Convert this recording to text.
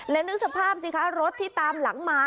แล้วนึกสภาพสิคะรถที่ตามหลังมา